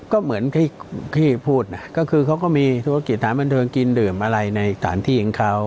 ก็เหมือนที่พูดนะก็คือเขาก็มีธุรกิจฐานบันเทิงกินดื่มอะไรในสถานที่ของเขา